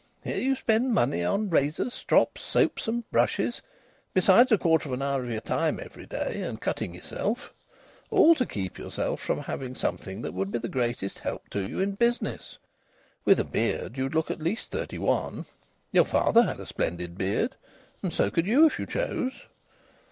Here you spend money on razors, strops, soaps and brushes, besides a quarter of an hour of your time every day, and cutting yourself all to keep yourself from having something that would be the greatest help to you in business! With a beard you'd look at least thirty one. Your father had a splendid beard, and so could you if you chose."